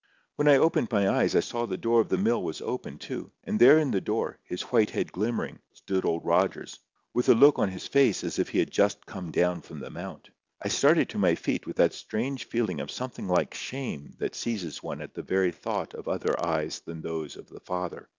When I opened my eyes I saw the door of the mill was open too, and there in the door, his white head glimmering, stood Old Rogers, with a look on his face as if he had just come down from the mount. I started to my feet, with that strange feeling of something like shame that seizes one at the very thought of other eyes than those of the Father.